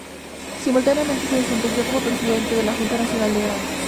Simultáneamente se desempeñó como presidente de la Junta Nacional de Granos.